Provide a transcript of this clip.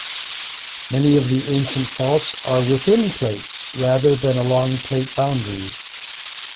Many of the ancient faults are within plates rather than along plate boundaries.